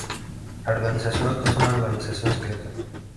La organización es una organización secreta.